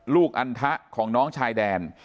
อันทะของน้องชายแดน